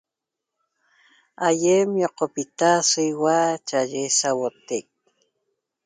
Aýem ñoqopita so ýiua cha'aye sauotec